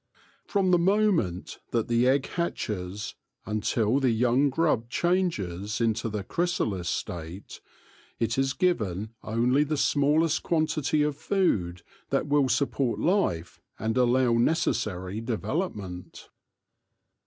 From the moment that the egg hatches until the young grub changes into the chrysalis state, it is given only the smallest quantity of food that will support life and allow necessar}' development.